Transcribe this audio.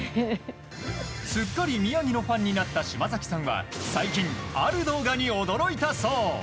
すっかり宮城のファンになった島崎さんは最近、ある動画に驚いたそう。